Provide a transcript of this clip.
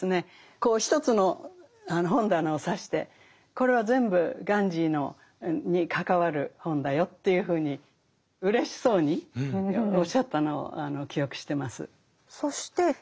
こう１つの本棚を指してこれは全部ガンジーに関わる本だよというふうにうれしそうにおっしゃったのを記憶してます。